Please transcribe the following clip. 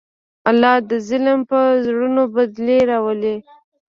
الله د ظلم په زړونو بدلې راولي.